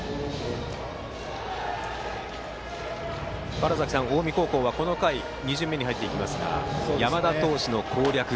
川原崎さん、近江高校はこの回、２巡目に入りますが山田投手の攻略